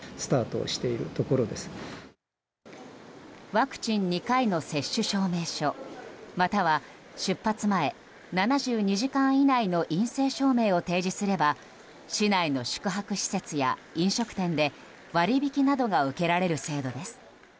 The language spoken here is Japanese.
ワクチン２回の接種証明書または出発前７２時間以内の陰性証明を提示すれば市内の宿泊施設や飲食店で割引などが受けられる制度です。